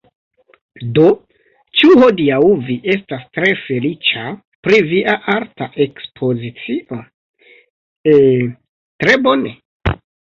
Do, ĉu hodiaŭ vi estas tre feliĉa pri via arta ekspozicio? eh... tre bone?